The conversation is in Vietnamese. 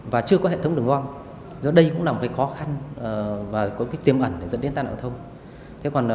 và chưa có hệ thống đường voang do đây cũng là một khó khăn và tiềm ẩn dẫn đến tai nạn giao thông